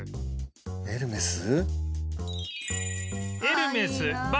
「エルメス？」